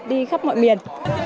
đi khắp mọi miền